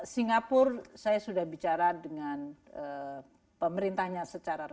singapura saya sudah bicara dengan pemerintahnya secara resmi